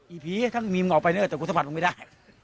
อีผีถ้ามีมันออกไปเนอะแต่กูสะพัดมันไม่ได้